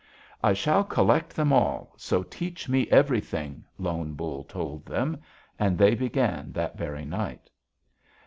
"'I shall collect them all, so teach me everything,' Lone Bull told them. And they began that very night.